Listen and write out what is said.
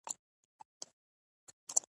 د کونړ غنم د سیند له اوبو خړوبیږي.